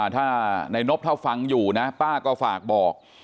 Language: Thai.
ถ้านายนบถ้าฟังอยู่นะป้าก็ฝากบอก